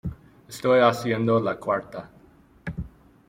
Estoy haciendo la cuarta.